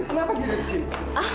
kenapa dia ada di sini